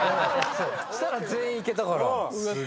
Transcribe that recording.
そしたら全員いけたから。